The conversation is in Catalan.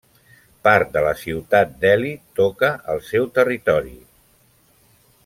Part de la ciutat d'Ely toca el seu territori.